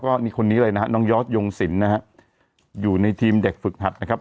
ก็นี่คนนี้เลยนะฮะน้องยอดยงสินนะฮะอยู่ในทีมเด็กฝึกหัดนะครับ